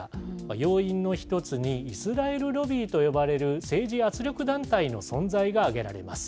要因の一つにイスラエルロビーと呼ばれる、政治圧力団体の存在が挙げられます。